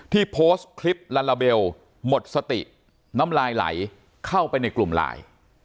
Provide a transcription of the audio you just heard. โพสต์คลิปลาลาเบลหมดสติน้ำลายไหลเข้าไปในกลุ่มไลน์